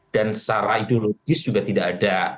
dan secara ideologis juga tidak ada